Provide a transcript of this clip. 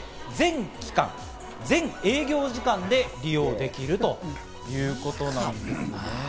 ・全営業時間で利用できるということなんです。